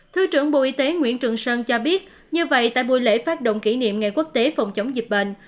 thứ trưởng bộ y tế nguyễn trường sơn cho biết như vậy tại buổi lễ phát động kỷ niệm ngày quốc tế phòng chống dịch bệnh